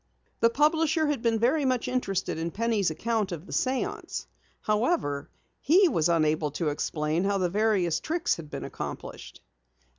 The publisher had been very much interested in Penny's account of the séance. However, he was unable to explain how the various tricks had been accomplished.